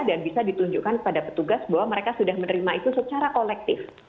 dan bisa ditunjukkan kepada petugas bahwa mereka sudah menerima itu secara kolektif